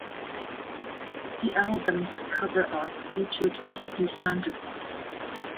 The album's cover art featured a hippie Santa Claus.